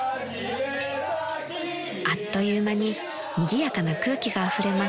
［あっという間ににぎやかな空気があふれます］